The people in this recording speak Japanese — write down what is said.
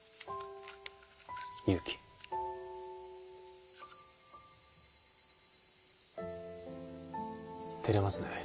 勇気照れますね